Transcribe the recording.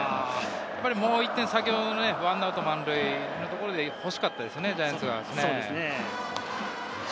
もう１点、１アウト満塁のところで欲しかったですよね、ジャイアンツからすると。